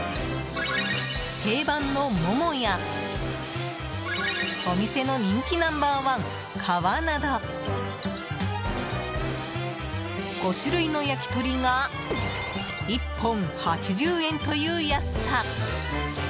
定番のももやお店の人気ナンバー１皮など５種類の焼き鳥が１本８０円という安さ。